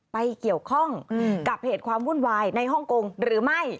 ไปเกี่ยวข้องกับเหตุความวุ่นวายในฮ่องกงหรือไม่